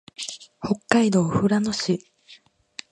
北海道富良野市